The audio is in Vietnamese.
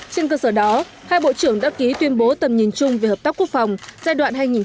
trên cơ sở đó hai bộ trưởng đã ký tuyên bố tầm nhìn chung về hợp tác quốc phòng giai đoạn hai nghìn hai mươi một hai nghìn hai mươi năm